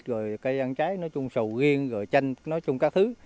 rồi cây ăn trái nói chung sầu riêng rồi chanh nói chung các thứ